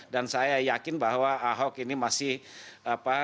dan saya yakin bahwa ahok ini masih apa